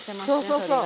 そうそうそう。